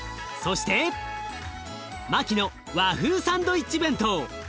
そしてマキの和風サンドイッチ弁当。